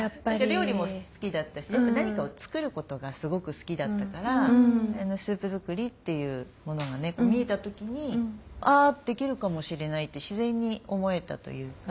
料理も好きだったしやっぱ何かを作ることがすごく好きだったからスープ作りというものがね見えた時に「あできるかもしれない」って自然に思えたというか。